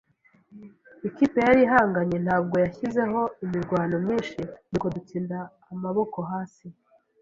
Ikipe yari ihanganye ntabwo yashyizeho imirwano myinshi, nuko dutsinda amaboko hasi.